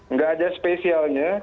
nggak ada spesialnya